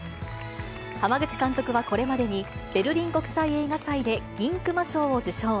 濱口監督はこれまでにベルリン国際映画祭で銀熊賞を受賞。